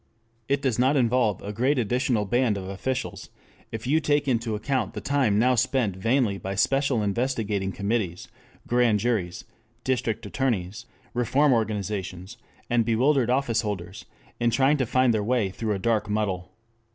It does not involve a great additional band of officials, if you take into account the time now spent vainly by special investigating committees, grand juries, district attorneys, reform organizations, and bewildered office holders, in trying to find their way through a dark muddle.